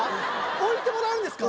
置いてもらえるんですか？